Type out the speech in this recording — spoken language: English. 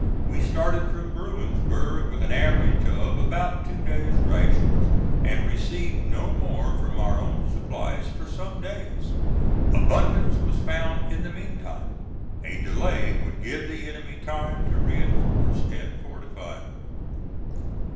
We started from Bruinsburg with an average of about two days' rations, and received no more from our own supplies for some days; abundance was found in the mean time. A delay would give the enemy time to reinforce and fortify.